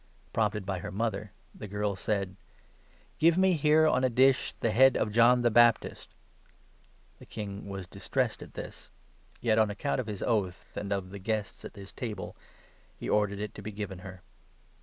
Prompted by her mother, the girl said ' Give me here, on a dish, the head of John the Baptist.' The king was distressed at this ; yet, on account of his oath and of the guests at his table, he ordered it to be given her.